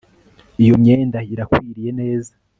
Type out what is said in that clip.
iyo myenda irakwiriye neza